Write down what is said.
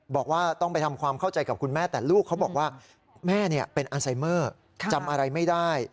บอกว่าต้องไปทำความเข้าใจกับคุณแม่แต่ลูกเขาบอกว่าแม่เป็นอัลไซเมอร์จำอะไรไม่ได้